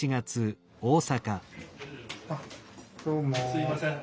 すいません。